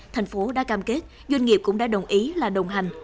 tp hcm đã cam kết doanh nghiệp cũng đã đồng ý là đồng hành